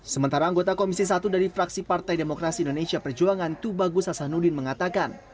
sementara anggota komisi satu dari fraksi partai demokrasi indonesia perjuangan tubagus hasanuddin mengatakan